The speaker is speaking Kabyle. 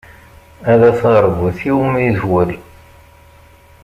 Ala taṛbut iwumi itwel.